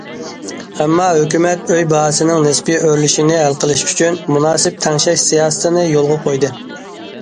ئەمما ھۆكۈمەت ئۆي باھاسىنىڭ نىسپىي ئۆرلىشىنى ھەل قىلىش ئۈچۈن مۇناسىپ تەڭشەش سىياسىتىنى يولغا قويدى.